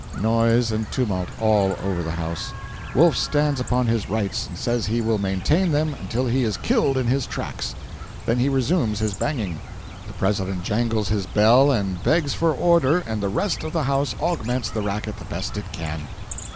(Noise and tumult all over the House.) Wolf stands upon his rights, and says he will maintain them until he is killed in his tracks. Then he resumes his banging, the President jangles his bell and begs for order, and the rest of the House augments the racket the best it can.